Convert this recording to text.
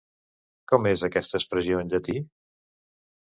Com és aquesta expressió en llatí?